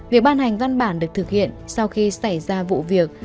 việc ban hành văn bản được thực hiện sau khi xảy ra vụ việc